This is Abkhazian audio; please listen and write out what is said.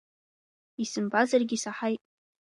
Исымбазаргьы исаҳаит.